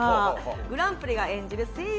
グランプリが演じる声優